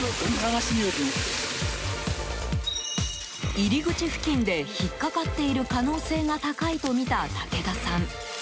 入り口付近で引っかかっている可能性が高いとみた武田さん。